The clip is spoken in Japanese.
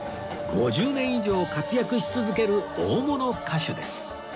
５０年以上活躍し続ける大物歌手です